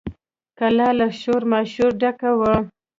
کلا له شور ماشوره ډکه وه.